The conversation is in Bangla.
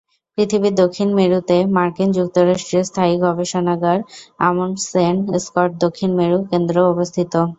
পৃথিবীর দক্ষিণ মেরুতে মার্কিন যুক্তরাষ্ট্রের স্থায়ী গবেষণাগার আমুন্ডসেন-স্কট দক্ষিণ মেরু কেন্দ্র অবস্থিত।